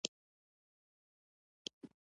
ټول عسکري تمرینونه باید په پښتو وي.